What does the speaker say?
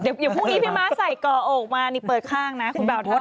เดี๋ยวพุ่งอีพิมมาศใส่ก่อโอกมานี่เปิดข้างนะคุณบ่าวเท่านั้น